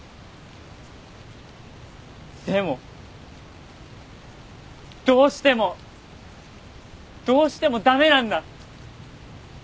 でもどうしてもどうしても駄目なんだ！